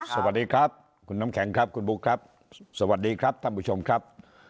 สวัสดีครับคุณน้ำแข็งครับคุณบุ๊คครับสวัสดีครับท่านผู้ชมครับ